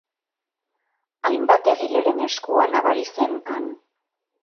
Hainbat egileren eskua nabari zen han...